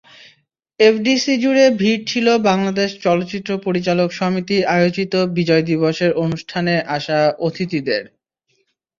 এফডিসিজুড়ে ভিড় ছিল বাংলাদেশ চলচ্চিত্র পরিচালক সমিতি আয়োজিত বিজয় দিবসের অনুষ্ঠানে আসা অতিথিদের।